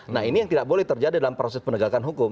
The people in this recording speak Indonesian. nah ini yang tidak boleh terjadi dalam proses penegakan hukum